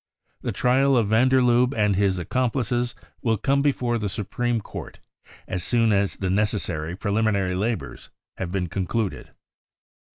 The trial of van der Lubbe and his accomplices will come before the Supreme Court as soon as the necessary preliminary labours have been concluded."